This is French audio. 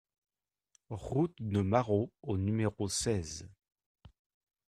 Route de Marrault au numéro seize